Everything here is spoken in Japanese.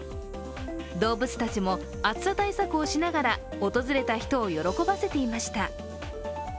動物たちも暑さ対策をしながら訪れた人を喜ばせていました。